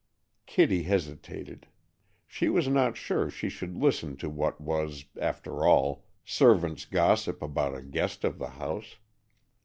Kitty hesitated. She was not sure she should listen to what was, after all, servants' gossip about a guest of the house.